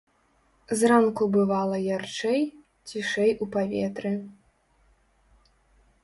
Зранку бывала ярчэй, цішэй у паветры.